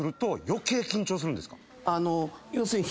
余計緊張するんですよね